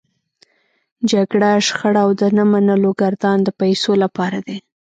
جګړه، شخړه او د نه منلو ګردان د پيسو لپاره دی.